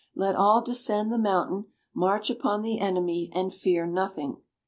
Let all descend the mountain, march upon the enemy, and fear nothing."